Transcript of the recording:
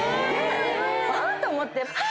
あっ！と思ってあ！